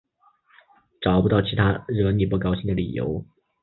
找不到其他惹你不高兴的理由